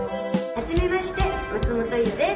「初めまして私も松本伊代です。